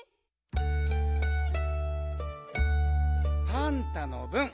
パンタのぶん。